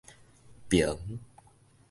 爿